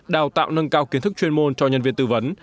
đào tạo nâng cao kiến thức chuyên môn cho nhân viên tư vấn